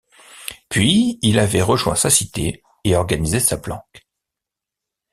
Puis il avait rejoint sa cité et organisé sa planque.